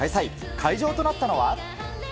会場となったのは。